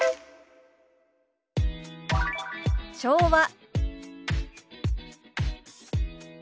「昭和」。